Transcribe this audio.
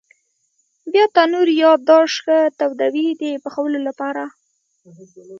بیا تنور یا داش ښه تودوي د پخولو لپاره.